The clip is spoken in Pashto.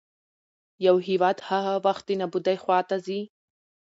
يـو هـيواد هـغه وخـت د نـابـودۍ خـواتـه ځـي